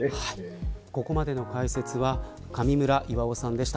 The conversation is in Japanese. ここまでの解説は上村以和於さんでした。